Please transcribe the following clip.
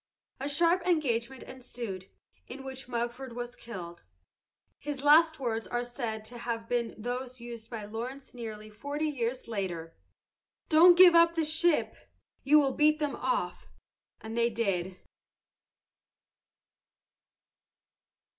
A sharp engagement ensued, in which Mugford was killed. His last words are said to have been those used by Lawrence nearly forty years later: "Don't give up the ship! You will beat them off!" And they did.